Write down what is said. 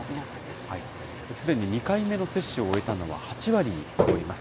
すでに２回目の接種を終えたのは、８割に上ります。